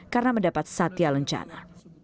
karena mendapat satya lencana